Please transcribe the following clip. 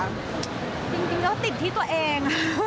จริงก็ติดที่ตัวเอง